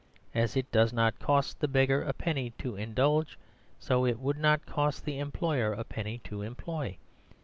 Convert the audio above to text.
As it does not cost the beggar a penny to indulge, so it would not cost the employer a penny to employ.